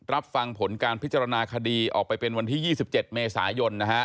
รับฟังผลการพิจารณาคดีออกไปเป็นวันที่๒๗เมษายน